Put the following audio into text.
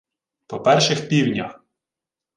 — По перших півнях.